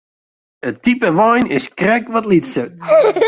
It type wein is krekt wat lytser.